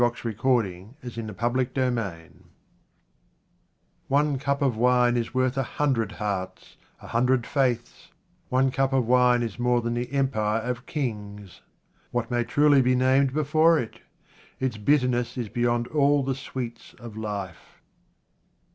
46 QUATRAINS OF OMAR KHAYYAM One cup of wine is worth a hundred hearts, a hundred faiths ; one cup of wine is more than the empire of kings ! What may truly be named before it ? Its bitterness is beyond all the sweets of life.